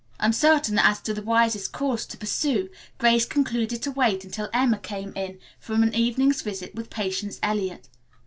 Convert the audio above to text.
Uncertain as to the wisest course to pursue Grace concluded to wait until Emma came in from an evening's visit with Patience Eliot.